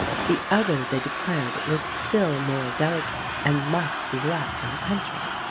The other, they declared, was still more delicate and must be left in the country.